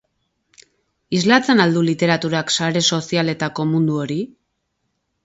Islatzen al du literaturak sare sozialetako mundu hori?